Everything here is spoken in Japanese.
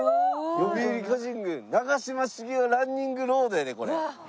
「読売巨人軍長嶋茂雄ランニングロード」やで。